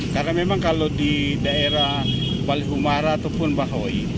karena memang kalau di daerah balihumara ataupun bahawai